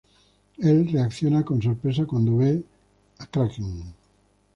Él reacciona con sorpresa cuando ve a el Kraken.